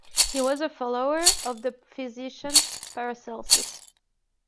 He was a follower of the physician Paracelsus.